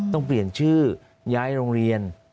ต้องเปลี่ยนชื่อย้ายโรงเรียน